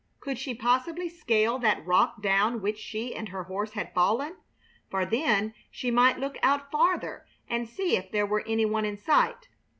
Could she possibly scale that rock down which she and her horse had fallen? For then she might look out farther and see if there were any one in sight.